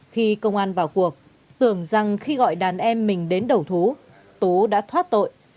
khi công an vào cuộc tưởng rằng khi gọi đàn em mình đến đầu thú đã thoát tội